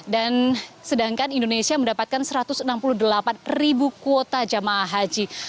dan sedangkan indonesia mendapatkan satu ratus enam puluh delapan kuota jamaah haji